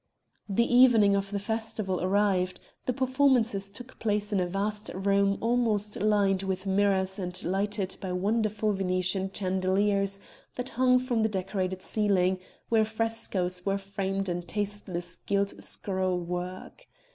The evening of the festival arrived; the performances took place in a vast room almost lined with mirrors and lighted by wonderful Venetian chandeliers that hung from the decorated ceiling where frescoes were framed in tasteless gilt scroll work.